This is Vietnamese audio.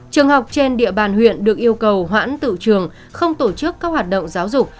trường học trên địa bàn huyện được yêu cầu hoãn tự trường không tổ chức các hoạt động giáo dục